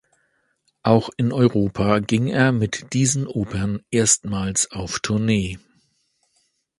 Auch in Europa ging er mit diesen Opern erstmals auf Tournee.